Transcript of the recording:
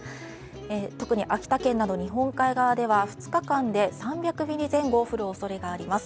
特に秋田県など日本海側では２日間で３００ミリ前後降るおそれがあります。